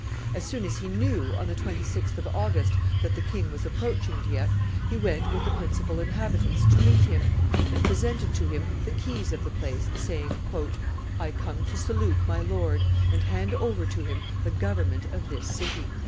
As soon as he knew, on the 26th of August, that the king was approaching Dieppe, he went with the principal inhabitants to meet him, and presented to him the keys of the place, saying, "I come to salute my lord and hand over to him the government of this city."